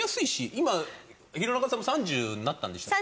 今弘中さんも３０になったんでしたっけ？